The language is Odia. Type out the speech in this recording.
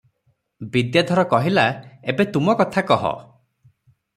ବିଦ୍ୟାଧର କହିଲା, "ଏବେ ତୁମ କଥା କହ ।